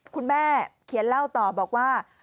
คุณแม่เขียนเล่าต่อบอกว่า